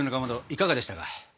いかがでしたか？